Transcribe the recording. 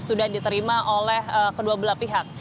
sudah diterima oleh kedua belah pihak